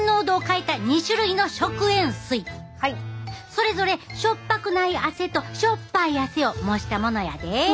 それぞれ塩っぱくない汗と塩っぱい汗を模したものやで。